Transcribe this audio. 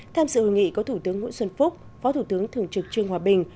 tham dự hội nghị có thủ tướng nguyễn xuân phúc phó thủ tướng thường trực trương hòa bình